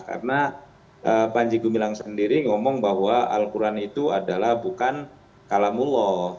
karena panji gumilang sendiri ngomong bahwa al quran itu adalah bukan kalamullah